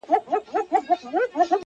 بس ده ه د غزل الف و با مي کړه ـ